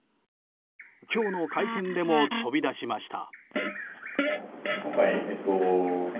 今日の会見でも飛び出しました。